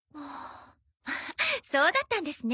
ああそうだったんですね。